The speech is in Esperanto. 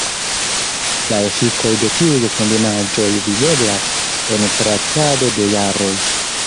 La efikoj de tiuj kombinaĵoj videblas en traktado de jaroj.